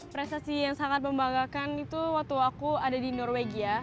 prestasi yang sangat membanggakan itu waktu aku ada di norwegia